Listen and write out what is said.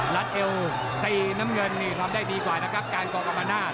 เอวตีน้ำเงินนี่ทำได้ดีกว่านะครับการก่อกรรมนาศ